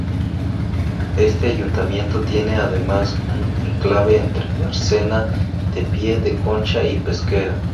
Este ayuntamiento tiene además un enclave entre Bárcena de Pie de Concha y Pesquera.